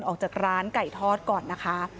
ออกจากร้านไก่ทอดก่อนนะคะ